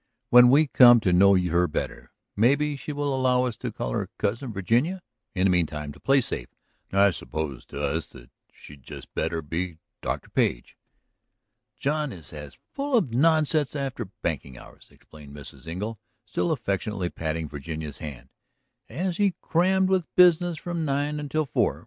When we come to know her better maybe she will allow us to call her Cousin Virginia? In the meantime, to play safe, I suppose that to us she'd better be just Dr. Page?" "John is as full of nonsense after banking hours," explained Mrs. Engle, still affectionately patting Virginia's hand, "as he is crammed with business from nine until four.